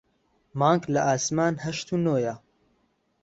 مانگ لە ئاسمان هەشت و نۆیە